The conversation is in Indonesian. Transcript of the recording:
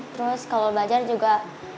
terus kalau belajar juga